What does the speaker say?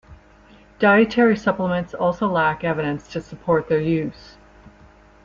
Dietary supplements also lack evidence to support their use.